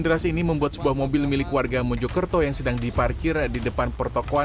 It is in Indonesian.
deras ini membuat sebuah mobil milik warga mojokerto yang sedang diparkir di depan pertokohan